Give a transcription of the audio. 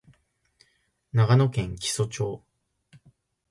長野県木曽町